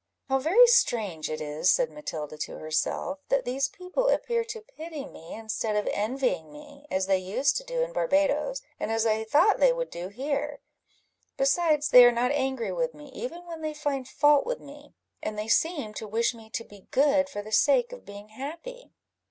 "How very strange it is," said Matilda to herself, "that these people appear to pity me, instead of envying me, as they used to do in Barbadoes, and as I thought they would do here! besides, they are not angry with me, even when they find fault with me, and they seem to wish me to be good for the sake of being happy."